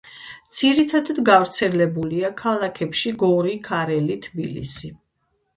ძირითადად გავრცელებულია ქალაქებში: გორი, ქარელი და თბილისი.